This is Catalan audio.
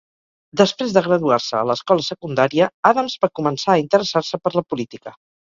Després de graduar-se a l'escola secundària, Adams va començar a interessar-se per la política.